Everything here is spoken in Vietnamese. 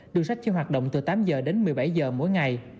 đường sách chưa hoạt động từ tám giờ đến một mươi bảy giờ mỗi ngày